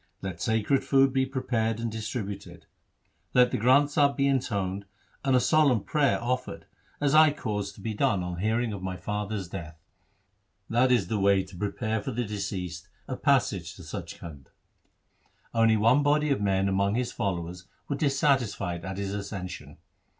Let sacred food be prepared and distributed, let the Granth Sahib be intoned and a solemn prayer offered, as I caused to be done on LIFE OF GURU HAR GOBIND 3 hearing of my father's death. That is the way to prepare for the deceased a passage to Sach Khand.' Only one body of men among his followers were dissatisfied at his accession.